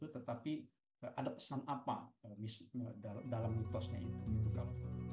tetapi ada pesan apa dalam mitosnya itu